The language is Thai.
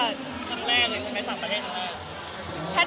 มีใครปิดปาก